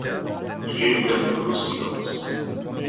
Il y eut un nouveau silence.